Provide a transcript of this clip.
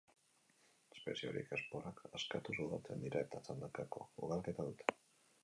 Espezie horiek esporak askatuz ugaltzen dira eta txandakako ugalketa dute.